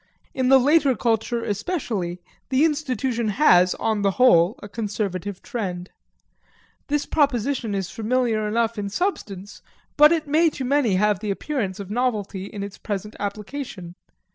In the later culture especially, the institution has, on the whole, a conservative trend. This proposition is familiar enough in substance, but it may to many have the appearance of novelty in its present application.